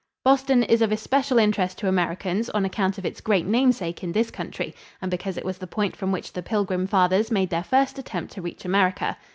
Boston is of especial interest to Americans on account of its great namesake in this country and because it was the point from which the Pilgrim Fathers made their first attempt to reach America.